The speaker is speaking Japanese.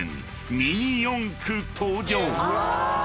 ミニ四駆登場］